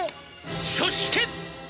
「そして」